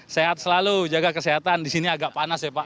sehat selalu jaga kesehatan di sini agak panas ya pak